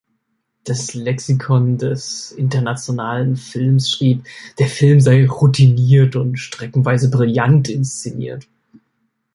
Das "Lexikon des internationalen Films" schrieb, der Film sei "„routiniert“" und "„streckenweise brillant“" inszeniert.